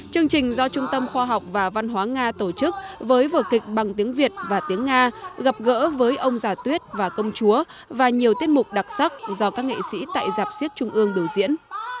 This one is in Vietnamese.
chương trình do trung tâm khoa học và văn hóa nga tổ chức với vở kịch bằng tiếng việt và tiếng nga gặp gỡ với ông già tuyết và công chúa và nhiều tiết mục đặc sắc do các nghệ sĩ tại giáp xích trung ương biểu diễn